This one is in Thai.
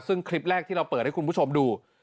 ซึ่งคลิปแรกที่เราเปิดให้คุณผู้ชมดู